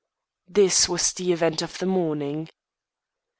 This was the event of the morning.